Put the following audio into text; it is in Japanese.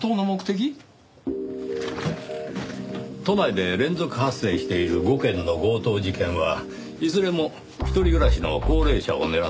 都内で連続発生している５件の強盗事件はいずれも一人暮らしの高齢者を狙ったもの。